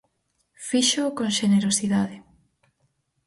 Fíxoo con xenerosidade.